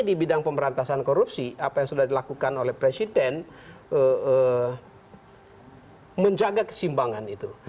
di bidang pemberantasan korupsi apa yang sudah dilakukan oleh presiden menjaga kesimbangan itu